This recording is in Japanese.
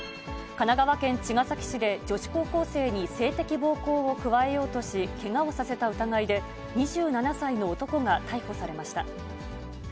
神奈川県茅ヶ崎市で、女子高校生に性的暴行を加えようとし、けがをさせた疑いで、２７歳の男が逮捕されました。